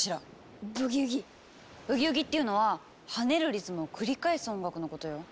「ブギウギ」っていうのは跳ねるリズムを繰り返す音楽のことよ。